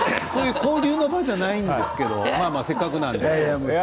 交流の場じゃないんですけどせっかくなので。